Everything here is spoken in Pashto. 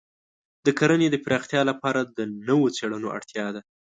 د کرنې د پراختیا لپاره د نوو څېړنو اړتیا ده.